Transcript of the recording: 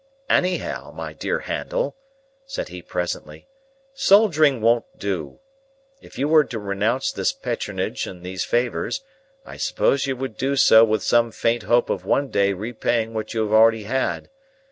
"Anyhow, my dear Handel," said he presently, "soldiering won't do. If you were to renounce this patronage and these favours, I suppose you would do so with some faint hope of one day repaying what you have already had.